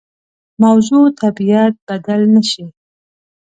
موضوع طبیعت بدل نه شي.